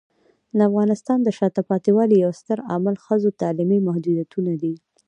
د افغانستان د شاته پاتې والي یو ستر عامل ښځو تعلیمي محدودیتونه دي.